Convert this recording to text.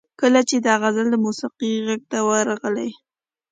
کله چې دا غزل د موسیقۍ غیږ ته ورغله.